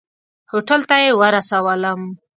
هوټل ته یې ورسولم.